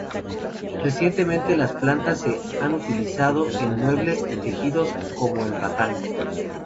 Recientemente las plantas se han utilizado en muebles y tejidos, como el ratán.